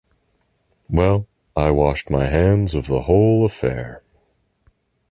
Well, I wash my hands of the whole affair!